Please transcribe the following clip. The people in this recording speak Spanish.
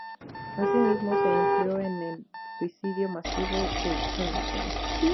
Asimismo se empleó en el suicidio masivo de Jonestown.